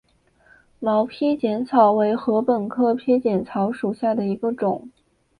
毛披碱草为禾本科披碱草属下的一个种。